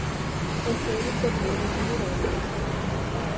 Antônio Ferreira de Miranda